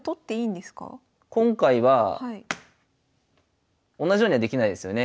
今回は同じようにはできないですよね？